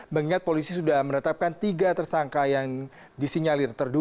mengingat polisi sudah menetapkan tiga tersangka yang disinyalir